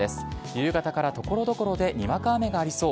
夕方からところどころでにわか雨がありそう。